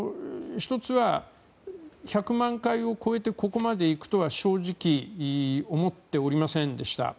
１つは１００万回を超えてここまでいくとは正直思っておりませんでした。